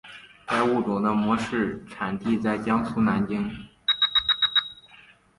该物种的模式产地在江苏南京。